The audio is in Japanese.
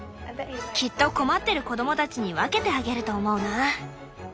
きっと困ってる子供たちに分けてあげると思うな。